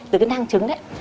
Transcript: từ cái năng trứng ấy